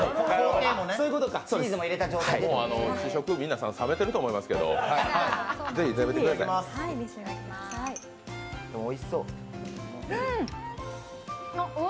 もう試食、皆さん冷めてると思うけど、ぜひ、食べてください。